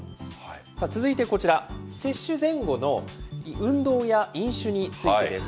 続いてこちら、接種前後の運動や飲酒についてです。